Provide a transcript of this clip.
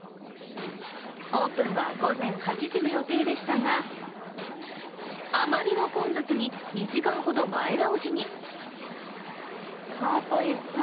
オープンは午前８時の予定でしたが、あまりの混雑に２時間ほど前倒しに。